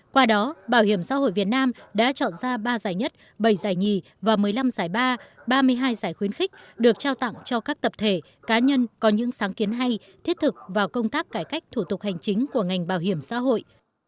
qua đó bảo hiểm xã hội việt nam đã chọn ra ba giải nhất bảy giải nhì và một mươi năm giải ba ba mươi hai giải khuyến khích được trao tặng cho các tập thể cá nhân có những sáng kiến hay thiết thực vào công tác cải cách thủ tục hành chính của ngành bảo hiểm xã hội